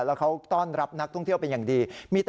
แล้วเขาต้อนรับนักท่องเที่ยวเป็นอย่างดี